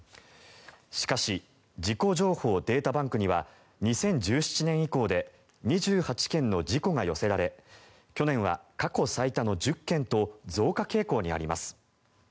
しかし事故情報データバンクには２０１７年以降で２８件の事故が寄せられ去年は過去最多の１０件と増加傾向にあります。